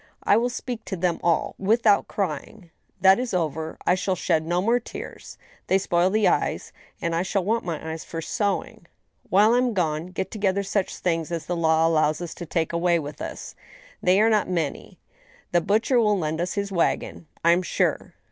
I will speak to them all — without crying. That is over; I shall shed no more tears ; they spoil the eyes, and I shall want my eyes for sewing. While I am gone, get together such things as the law allows us to take away with us ; they are not many. ... The butcher will lend us his wagon, I am sure.